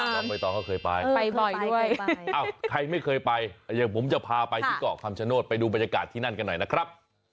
น้องใบตองก็เคยไปไปบ่อยด้วยใครไม่เคยไปอย่างผมจะพาไปที่เกาะคำชโนธไปดูบรรยากาศที่นั่นกันหน่อยนะครับ